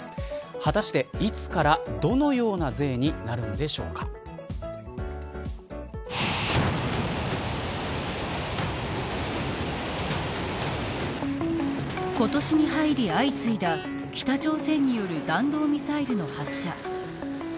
果たして、いつからどのような税になるん今年に入り相次いだ北朝鮮による弾道ミサイルの発射。